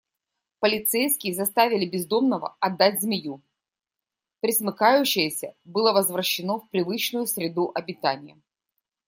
Полицейские заставили бездомного отдать змею, пресмыкающееся было возвращено в привычную среду обитания.